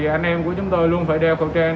anh em của chúng tôi luôn phải đeo khẩu trang